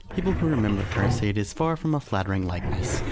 People who remember her, say it is far from a flattering likeness.